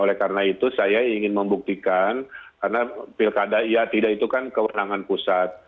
oleh karena itu saya ingin membuktikan karena pilkada iya tidak itu kan kewenangan pusat